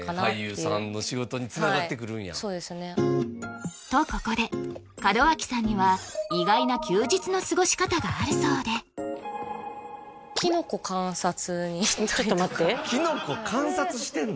俳優さんの仕事につながってくるんやはいそうですねとここで門脇さんには意外な休日の過ごし方があるそうでちょっと待ってきのこ観察してんの？